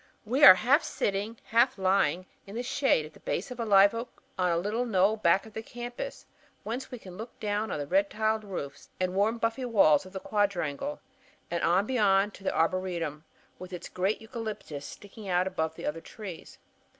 We are half sitting, half lying, in the shade at the base of a live oak on a little knoll back of the campus, whence we can look down on the red tiled roofs and warm buffy walls of the Quadrangle, and on beyond to the Arboretum with its great eucalyptuses sticking out above the other trees.